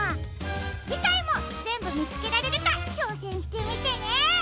じかいもぜんぶみつけられるかちょうせんしてみてね！